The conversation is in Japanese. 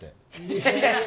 いやいや。